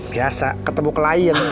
biasa ketemu klien